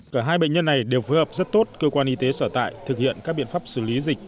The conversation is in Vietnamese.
cả hai bệnh nhân này đều phối hợp rất tốt cơ quan y tế sở tại thực hiện các biện pháp xử lý dịch